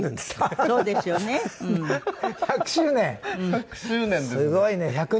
すごいね。